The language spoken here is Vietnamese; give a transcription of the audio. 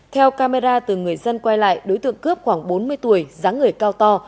theo camera từ người dân quay lại đối tượng cướp khoảng bốn mươi tuổi giá người cao to